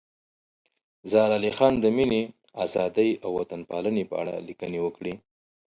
زار علي خان د مینې، ازادۍ او وطن پالنې په اړه لیکنې وکړې.